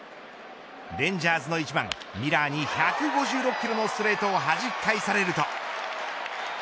レンジャースの１番ミラーに１５６キロのストレートを弾き返されると。